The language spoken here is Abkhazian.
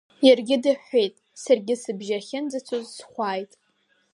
Иаргьы дыҳәҳәеит, саргьы сыбжьы ахьынӡацоз схәааит.